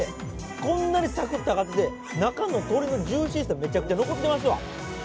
こんなにさくっと揚がって、中の鶏のジューシーさ、めちゃくちゃ残ってますわ。